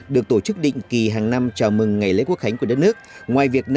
được tổ chức định kỳ hàng năm chào mừng ngày lễ quốc khánh của đất nước ngoài